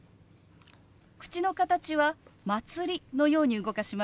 口の形は「まつり」のように動かします。